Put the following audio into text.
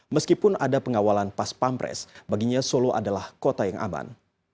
meskipun ada pengawalan pas pampres baginya solo adalah kota yang aman